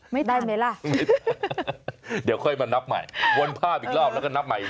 ได้ไหมล่ะเดี๋ยวค่อยมานับใหม่วนภาพอีกรอบแล้วก็นับใหม่